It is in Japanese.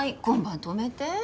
今晩泊めて。